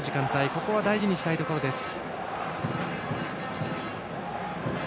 ここは大事にしたいところです。